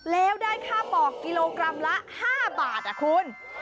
แล้วได้ค่าปอกกิโลกรัมละ๕บาทคุณ